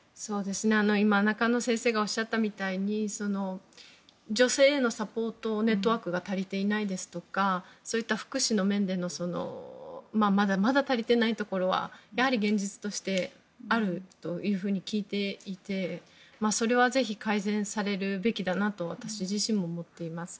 今、中野先生がおっしゃったみたいに女性へのサポートネットワークが足りていないですとかそういった福祉の面でもまだまだ足りていないところはやはり現実としてあると聞いていてそれはぜひ改善されるべきだなと私自身も思っています。